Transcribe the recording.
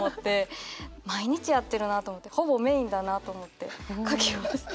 毎日やってるなと思ってほぼメインだなと思って書きました。